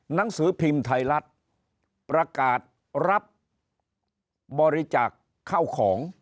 หนังสือพิมพ์ไทยรัฐประกาศรับบริจาคเข้าของ